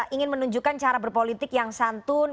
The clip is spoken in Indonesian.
ingin menunjukkan cara berpolitik yang santun